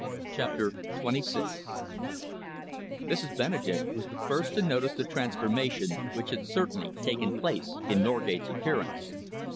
CHAPTER XXVI Mrs. Benedek was the first to notice the transformation which had certainly taken place in Norgate's appearance.